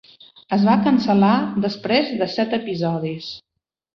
Es va cancel·lar després de set episodis.